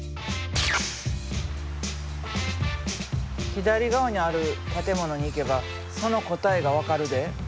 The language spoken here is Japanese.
左側にある建物に行けばその答えが分かるで。